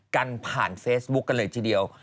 กันผ่านเฟซบุ๊คกันเลยทีเดียว